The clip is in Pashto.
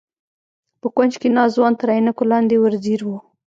په کونج کې ناست ځوان تر عينکو لاندې ور ځير و.